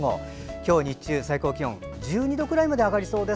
今日日中、最高気温１２度くらいまで上がりそうです。